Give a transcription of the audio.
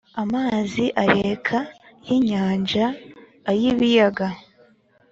Amazi areka y inyanja ay ibiyaga